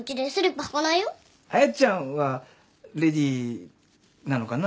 彩ちゃんはレディーなのかな